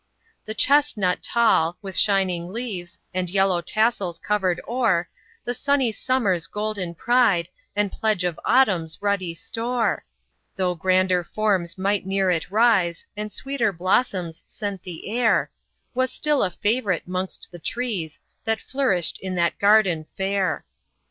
The CHESTNUT tall, with shining leaves And yellow tassels covered o'er, The sunny Summer's golden pride, And pledge of Autumn's ruddy store, Though grander forms might near it rise, And sweeter blossoms scent the air, Was still a favorite 'mongst the trees That flourished in that garden fair.